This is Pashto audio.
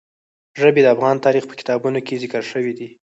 ژبې د افغان تاریخ په کتابونو کې ذکر شوي دي.